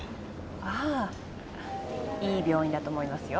ああいい病院だと思いますよ。